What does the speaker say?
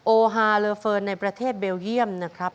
ฮาเลอเฟิร์นในประเทศเบลเยี่ยมนะครับ